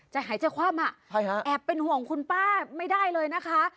หายใจคว่ำอ่ะแอบเป็นห่วงคุณป้าไม่ได้เลยนะคะ